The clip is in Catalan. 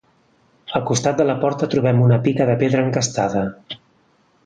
Al costat de la porta trobem una pica de pedra encastada.